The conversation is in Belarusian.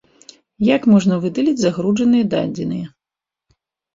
Як можна выдаліць загружаныя дадзеныя?